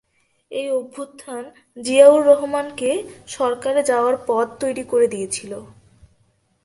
এই অভ্যুত্থান জিয়াউর রহমানকে সরকারে যাওয়ার পথ তৈরি করে দিয়েছিল।